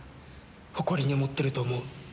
誇りに思ってると思う。